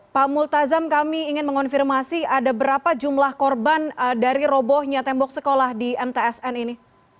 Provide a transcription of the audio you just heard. pak multazam kami ingin mengonfirmasi ada berapa jumlah korban dari robohnya tembok sekolah di mtsn ini